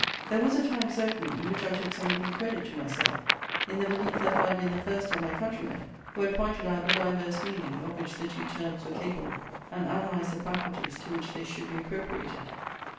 There was a time, certainly, in which I took some little credit to myself, in the belief that I had been the first of my countrymen, who had pointed out the diverse meaning of which the two terms were capable, and analyzed the faculties to which they should be appropriated.